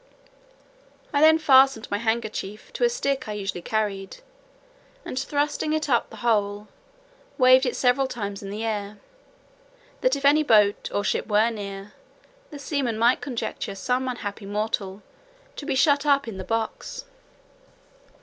I then fastened my handkerchief to a stick I usually carried, and thrusting it up the hole, waved it several times in the air, that if any boat or ship were near, the seamen might conjecture some unhappy mortal to be shut up in the box.